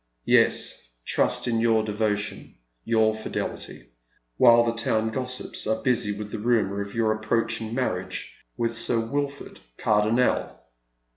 " Yes. trust in your devotion, your fidelity, while the town go ^sips are busy with the rumour of your approaching marriage •with Sir WiU'ord Cardonnel."